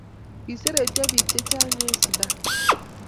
Kiseretyo pik che chang en sundan